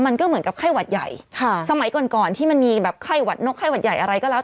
มันก็เหมือนกับไข้หวัดใหญ่ค่ะสมัยก่อนก่อนที่มันมีแบบไข้หวัดนกไข้หวัดใหญ่อะไรก็แล้ว